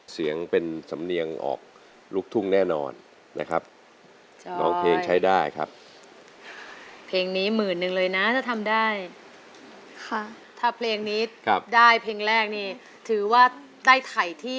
ถ้ายังไม่ได้สิ่งสุดว่าจะทำให้ฟันถึงภาพด้วยมาก